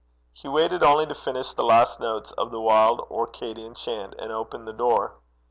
He waited only to finish the last notes of the wild Orcadian chant, and opened the door.